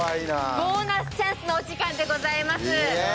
ボーナスチャンスのお時間でございます。